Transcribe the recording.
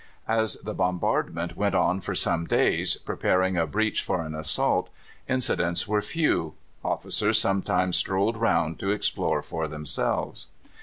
As the bombardment went on for some days, preparing a breach for an assault, incidents were few; officers sometimes strolled round to explore for themselves.